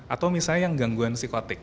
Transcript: atau misalnya yang gangguan psikotik